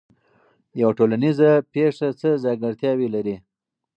یوه ټولنیزه پېښه څه ځانګړتیاوې لري؟